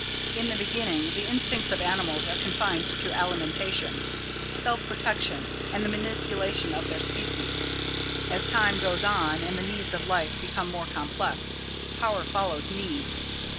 In the beginning, the instincts of animals are confined to alimentation, self protection, and the multiplication of their species. As time goes on and the needs of life become more complex, power follows need.